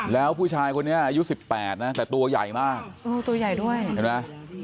แล้วผู้ชายคนนี้อายุสิบแปดนะแต่ตัวใหญ่มากตัวใหญ่ด้วยเห็นไหม